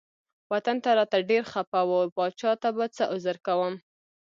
وطن ته راته ډیر خپه و پاچا ته به څه عذر کوم.